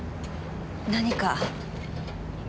何か？